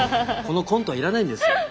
このコントはいらないんですよ！